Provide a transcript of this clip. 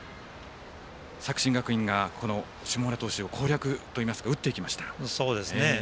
作新学院が下村投手攻略といいますか打っていきました。